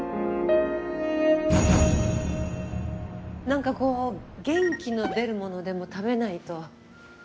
何かこう元気の出るものでも食べないと。